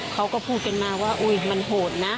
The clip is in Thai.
เขาก็พูดกันมาว่าอุ๊ยมันโหดนะ